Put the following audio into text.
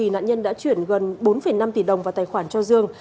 nạn nhân đã chuyển gần bốn năm tỷ đồng vào tài khoản cho dương